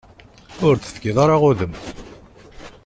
Ur d-tefkiḍ ara udem.